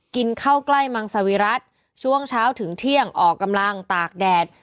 กินเข้าใกล้มังสวิรัติช่วงเช้าถึงเที่ยงออกกำลังตากแดด